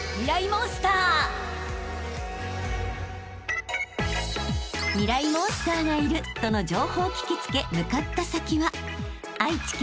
モンスターがいるとの情報を聞き付け向かった先は］